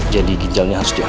jadi ginjalnya harus dianggap